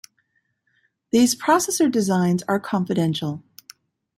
These processor designs are confidential.